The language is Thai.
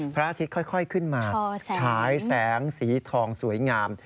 พระอาทิตย์ค่อยขึ้นมาฉายแสงสีทองสวยงาม